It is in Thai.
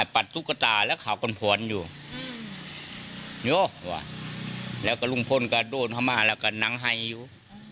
ปัดตุ๊กตาแล้วเขากวนอยู่แล้วก็ลุงพลก็โดนพม่าแล้วก็นั่งให้อยู่